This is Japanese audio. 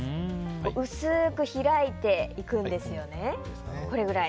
薄く開いていくんですよね。これぐらい。